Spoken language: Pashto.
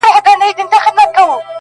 چي خبره د رښتیا سي هم ترخه سي,